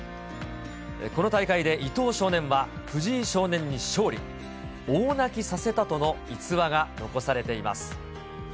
この大会で伊藤少年は藤井少年に勝利、大泣きさせたとの逸話が残されています。